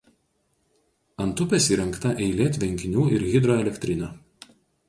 Ant upės įrengta eilė tvenkinių ir hidroelektrinių.